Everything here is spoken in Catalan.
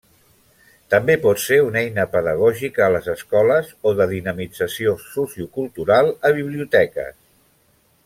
També pot ser una eina pedagògica a les escoles o de dinamització sociocultural a biblioteques.